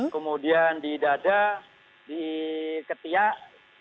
kemudian di dada di ketiak